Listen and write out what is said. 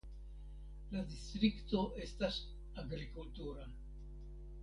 La distrikto estas agrikultura.